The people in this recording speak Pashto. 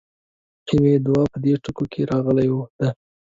يوې دعا په دې ټکو کې راغلې ده.